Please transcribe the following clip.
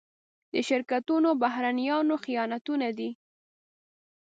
د شرکتونو او بهرنيانو خیانتونه دي.